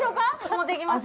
持っていきます。